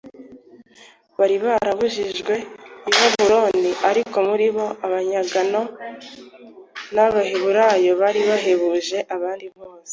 bari barahurijwe i babuloni, ariko muri bo abanyagano b'abaheburayo bari bahebuje abandi bose